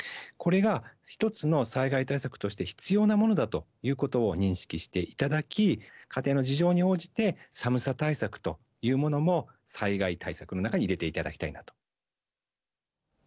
これが一つの災害対策として必要なものだということを認識していただき、家庭の事情に応じて、寒さ対策というものも災害対策の中に入れていただきたいなと。